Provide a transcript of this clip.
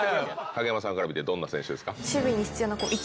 影山さんから見てどんな選手ですか？